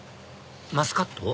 マスカット？